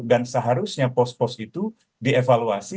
dan seharusnya pos pos itu dievaluasi